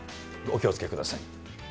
お気をつけください。